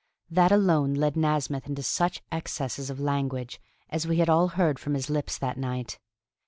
That alone led Nasmyth into such excesses of language as we had all heard from his lips that night.